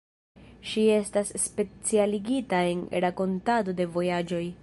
Ŝi estas specialigita en rakontado de vojaĝoj.